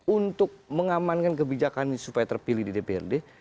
untuk mengamankan kebijakan supaya terpilih di pd prd